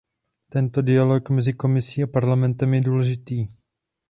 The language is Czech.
Tento dialog mezi Komisí a Parlamentem je důležitý.